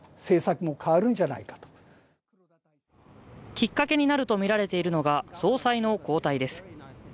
きっかけになるとみられているのが、総裁の交代です。